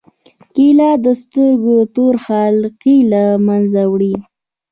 کېله د سترګو تور حلقې له منځه وړي.